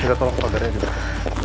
kita tolong kabarnya juga